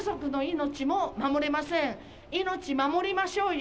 命、守りましょうよ。